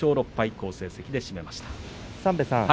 好成績で締めました。